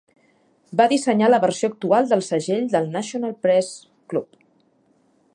Va dissenyar la versió actual del segell del National Press Club.